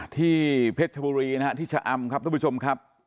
ที่เพชรชบุรีนะฮะที่ชะอำครับทุกผู้ชมครับ